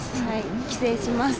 帰省します。